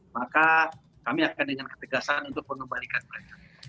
maka kami akan dengan ketegasan untuk mengembalikan mereka